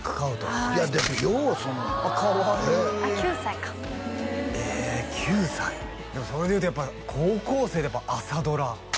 はいいやでもようそんなあっかわいいあっ９歳かえ９歳でもそれでいうとやっぱ高校生で朝ドラ